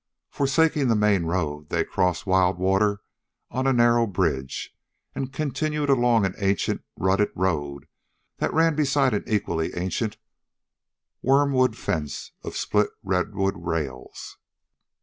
Forsaking the main road, they crossed Wild Water on a narrow bridge and continued along an ancient, rutted road that ran beside an equally ancient worm fence of split redwood rails.